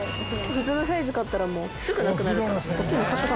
普通のサイズ買ったらもうすぐなくなるから。